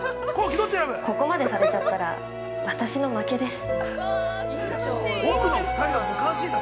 ここまでされちゃったら私の負けです。